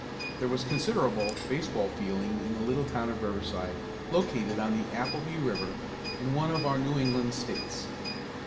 There was considerable baseball feeling in the little town of Riverside, located on the Appelby River, in one of our New England States.